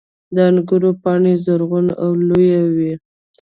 • د انګورو پاڼې زرغون او لویې وي.